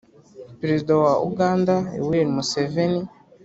perezida wa uganda yoweri museveni